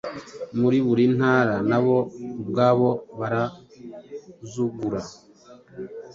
Muri buri Ntara, nabo ubwabo barauzugura